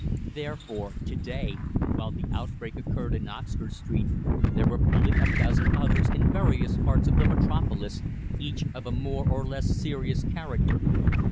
Therefore, to day, while the outbreak occurred in Oxford Street, there were fully a dozen others in various parts of the metropolis, each of a more or less serious character.